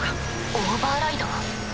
オーバーライド？